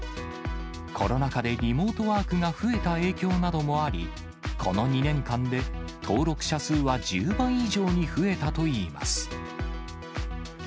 コロナ禍でリモートワークが増えた影響などもあり、この２年間で、登録者数は１０倍以上に増えたといいます。